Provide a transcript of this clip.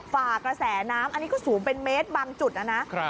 ฝ่ากระแสน้ำอันนี้ก็สูงเป็นเมตรบางจุดนะนะ